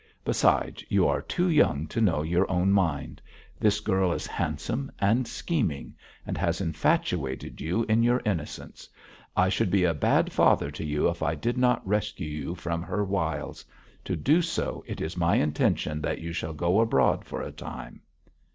Besides, you are too young to know your own mind. This girl is handsome and scheming, and has infatuated you in your innocence. I should be a bad father to you if I did not rescue you from her wiles. To do so, it is my intention that you shall go abroad for a time.'